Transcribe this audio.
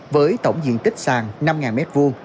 với tổng diện tích sàn năm m hai